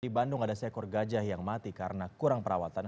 di bandung ada seekor gajah yang mati karena kurang perawatan